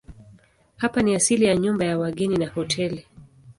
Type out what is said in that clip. Hapa ni asili ya nyumba ya wageni na hoteli.